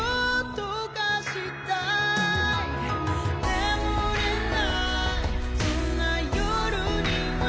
「眠れないそんな夜には」